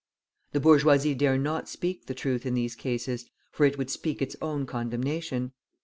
The bourgeoisie dare not speak the truth in these cases, for it would speak its own condemnation.